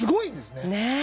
ねえ。